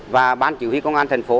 và ban chủ yếu công an thành phố